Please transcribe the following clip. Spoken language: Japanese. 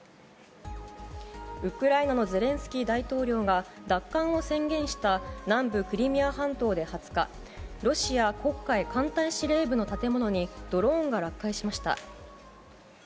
ウクライナのゼレンスキー大統領が、奪還を宣言した南部クリミア半島で２０日、ロシア黒海艦隊司令部の建物に、ドローンが落下しました。